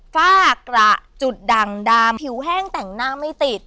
ฝ้ากระจุดดั่งดามผิวแห้งแต่งหน้าไม่ติด